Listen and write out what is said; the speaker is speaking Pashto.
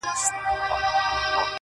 لکه پتڼ وزر مي وړمه د سره اور تر کلي-